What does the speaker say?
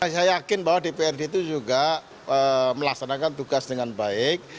saya yakin bahwa dprd itu juga melaksanakan tugas dengan baik